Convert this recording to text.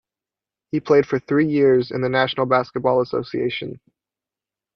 He played for three years in the National Basketball Association.